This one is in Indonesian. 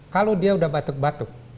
kalau dia udah batuk batuk